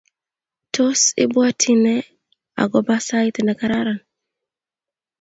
Tos ibwati ne agoba sait negararan?